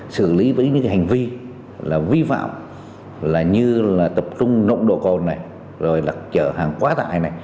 xử lý với những hành vi vi phạm như tập trung nộng độ con chở hàng quá tải